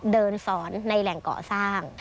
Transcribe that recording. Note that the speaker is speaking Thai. เดินสอนในแหล่งก่อสร้าง